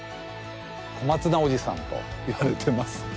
小松菜おじさんといわれてます。